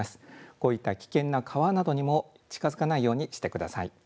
こういった危険な川などにも近づかないようにしてください。